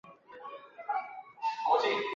这里也有可萨汗国的宫殿。